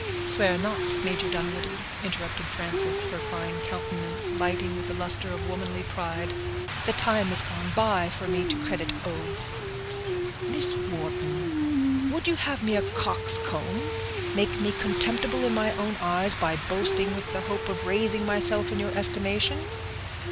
"Swear not, Major Dunwoodie," interrupted Frances, her fine countenance lighting with the luster of womanly pride. "The time is gone by for me to credit oaths." "Miss Wharton, would you have me a coxcomb—make me contemptible in my own eyes, by boasting with the hope of raising myself in your estimation?"